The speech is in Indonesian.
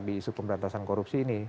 di isu pemberantasan korupsi ini